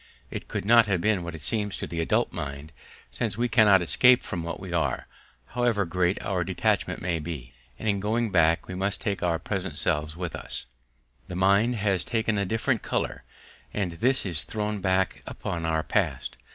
It could not have been what it seems to the adult mind, since we cannot escape from what we are, however great our detachment may be; and in going back we must take our present selves with us: the mind has taken a different colour, and this is thrown back upon our past.